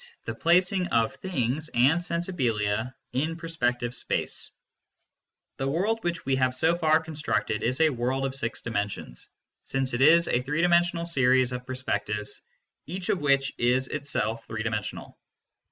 THE PLACING OF " THINGS " AND " SENSIBILIA " IN PERSPECTIVE SPACE The world which we have so far constructed is a world of six dimensions, since it is a three dimensional series of perspectives, each of which is itself three dimensional.